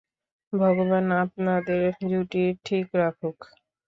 ভগবান আপনাদের জুটি ঠিক রাখুক।